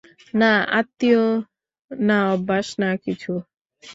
না আত্মীয়, না অভ্যাস, না কিছু।